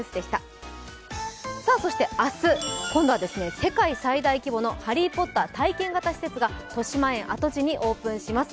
そして明日、今度は世界最大規模のハリー・ポッター体験型施設がとしまえん跡地にオープンします